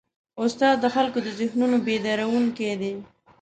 استاد د خلکو د ذهنونو بیدارونکی دی.